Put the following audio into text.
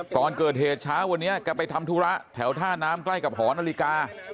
ก่อนเกิดเหตุเช้าวันนี้แกไปทำธุระแถวท่าน้ำใกล้กับหอนาฬิกา